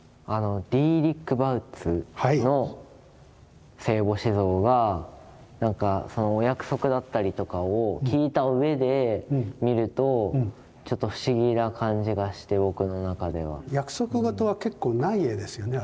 ディーリック・バウツの聖母子像がなんかお約束だったりとかを聞いたうえで見るとちょっと不思議な感じがして僕の中では。約束事は結構ない絵ですよね